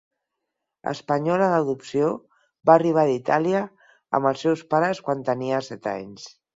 Espanyola d'adopció, va arribar d'Itàlia amb els seus pares quan tenia set anys.